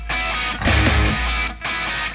ส่วนยังแบร์ดแซมแบร์ด